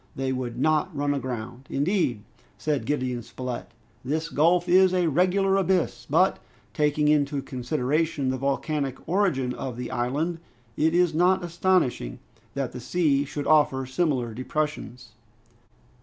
They would not run aground!" "Indeed," said Gideon Spilett, "this gulf is a regular abyss, but, taking into consideration the volcanic origin of the island, it is not astonishing that the sea should offer similar depressions."